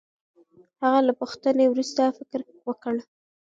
هغه له پوښتنې وروسته فکر وکړ.